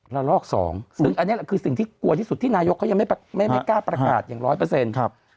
ละลอกสองซึ่งอันนี้แหละคือสิ่งที่กลัวที่สุดที่นายกเขายังไม่ไม่กล้าประกาศอย่างร้อยเปอร์เซ็นต์